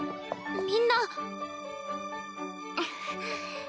みんな。